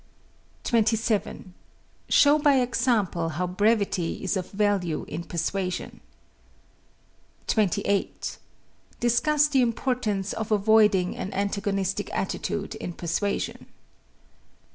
27. Show by example how brevity is of value in persuasion. 28. Discuss the importance of avoiding an antagonistic attitude in persuasion.